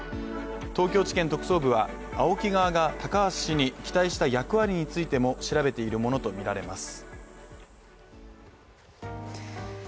東京地検特捜部はＡＯＫＩ側が高橋氏に期待した役割についても調べているものとみられます。